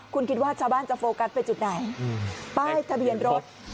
คุณคิดว่าชาวบ้านจะโฟกัสไปจุดไหนป้ายทะเบียนรถ